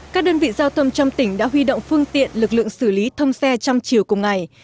các đơn vị giao thông trong tỉnh đã huy động phương tiện lực lượng xử lý thông xe trong chiều cùng ngày